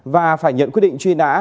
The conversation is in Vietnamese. và phải nhận quyết định truy nã